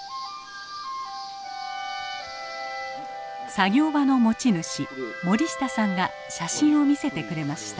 作業場の持ち主森下さんが写真を見せてくれました。